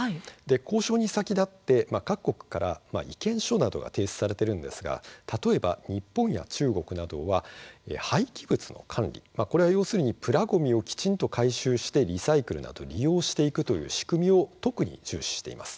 交渉に先立って各国から意見書が提出されているんですが、例えば日本や中国などは廃棄物の管理プラごみをきちんと回収してそれをリサイクルなどで利用するという仕組みを特に重視しています。